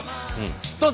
どうぞ！